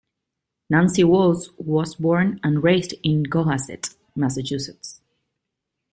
Nancy Walls was born and raised in Cohasset, Massachusetts.